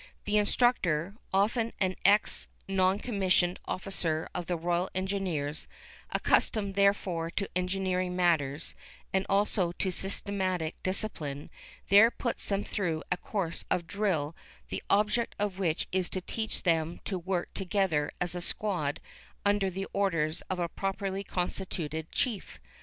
The instructor, often an ex non commissioned officer in the Royal Engineers, accustomed, therefore, to engineering matters, and also to systematic discipline, there puts them through a course of drill the object of which is to teach them to work together as a squad under the orders of a properly constituted chief.